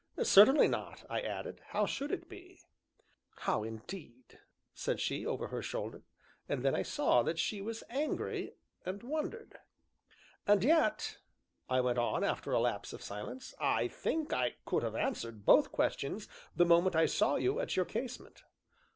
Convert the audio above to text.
"Certainly not," I added; "how should it be?" "How indeed!" said she, over her shoulder. And then I saw that she was angry, and wondered. "And yet," I went on, after a lapse of silence, "I think I could have answered both questions the moment I saw you at your casement."